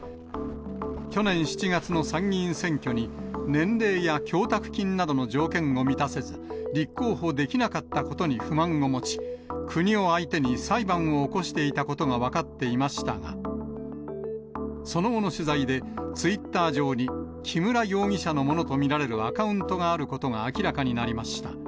去年７月の参議院選挙に、年齢や供託金などの条件を満たせず、立候補できなかったことに不満を持ち、国を相手に裁判を起こしていたことが分かっていましたが、その後の取材で、ツイッター上に、木村容疑者のものと見られるアカウントがあることが明らかになりました。